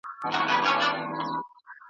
وخت ته خو معلومه ده چي زور د بګړۍ څه وايی `